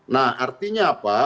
nah artinya apa